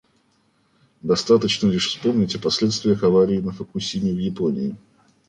Достаточно лишь вспомнить о последствиях аварии на «Фукусиме» в Японии.